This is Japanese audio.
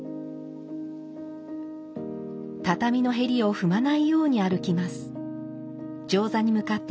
畳のへりを踏まないように歩きます。